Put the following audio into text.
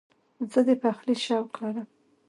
زه د پخلي شوق لرم.